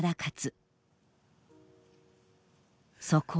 そこへ。